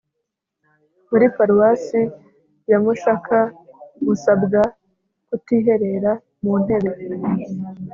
muri Paruwasi ya Mushaka musabwa kutiherera mu ntebe